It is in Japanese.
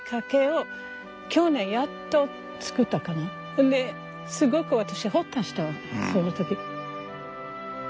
それですごく私ホッとしたわその時。